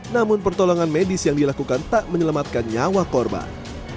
namun pertolongan medis yang dilakukan tak menyelamatkan nyawa korban